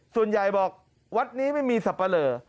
ส่วนใหญ่บอกวัดนี้ไม่มีสับปะเหลอ